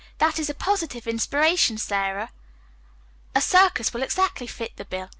"That is a positive inspiration, Sara." "A circus will exactly fill the bill.